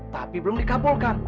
tapi belum dikabulkan